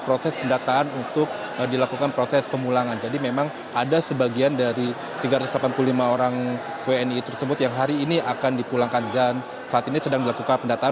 tiga ratus delapan puluh lima orang wni tersebut yang hari ini akan dipulangkan dan saat ini sedang dilakukan pendataan